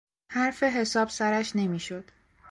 حرف حساب سرش نمیشد.